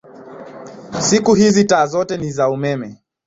Siku hizi taa zote ni za umeme.